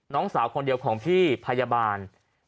น้องสาวคนเดียวของพี่พยาบาล